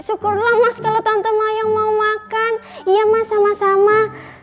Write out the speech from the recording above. syukurlah mas kalau tante mayang mau makan iya mas sama sama